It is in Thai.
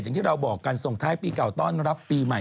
อย่างที่เราบอกกันส่งท้ายปีเก่าต้อนรับปีใหม่